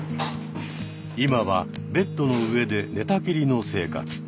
今はベッドの上で寝たきりの生活。